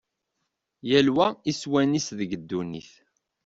Yal wa iswan-is deg ddunit.